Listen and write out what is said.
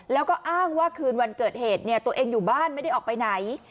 แล้วก็อ้างว่าคืนวันเกิดเหตุตัวเองอยู่บ้านไม่ได้ออกไปไหน